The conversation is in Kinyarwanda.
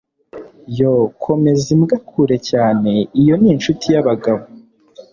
Yoo komeza Imbwa kure cyane iyo ni inshuti yabagabo